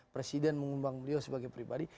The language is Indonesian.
presiden mengundang beliau sebagai pribadi